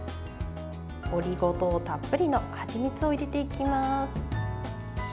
オリゴ糖たっぷりのはちみつを入れていきます。